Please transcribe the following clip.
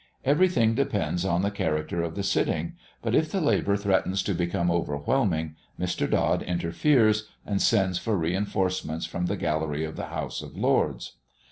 Every thing depends on the character of the sitting, but if the labour threatens to become overwhelming Mr. Dod interferes, and sends for reinforcements from the gallery of the House of Lords.